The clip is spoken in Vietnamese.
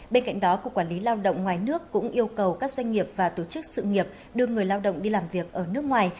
bên cạnh đó cục quản lý lao động ngoài nước cũng yêu cầu các doanh nghiệp và tổ chức sự nghiệp đưa người lao động đi làm việc ở nước ngoài